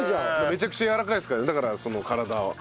めちゃくちゃやわらかいですからだからその体は。